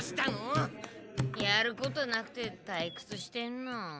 やることなくてたいくつしてんの。